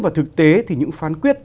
và thực tế thì những phán quyết